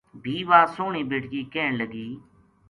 بھی واہ سوہنی بیٹکی کہن لگی